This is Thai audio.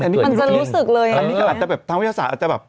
แล้วมันจะรู้สึกเลยอ่ะทำวิทยาสาธารณ์อาจจะแบบ